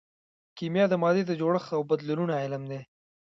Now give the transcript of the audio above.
کیمیا د مادې د جوړښت او بدلونونو علم دی.